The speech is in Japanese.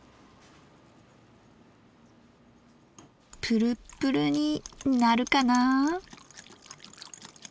プルプルになるかな。